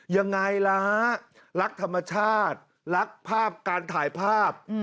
ยังไงล่ะรักธรรมชาติรักภาพการถ่ายภาพ